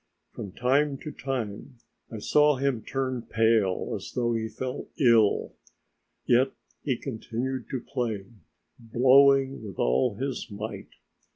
From time to time I saw him turn pale as though he felt ill, yet he continued to play, blowing with all his might.